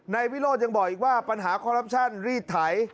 วิโรธยังบอกอีกว่าปัญหาคอรัปชั่นรีดไถ